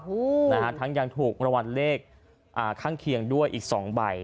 โอ้โหนะฮะทั้งยังถูกรางวัลเลขอ่าข้างเคียงด้วยอีกสองใบ